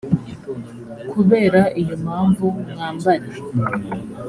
kubera iyo mpamvu mwambare